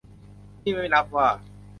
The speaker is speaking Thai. นี่ไม่นับว่า